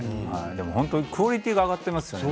本当にクオリティーが上がっていますよね。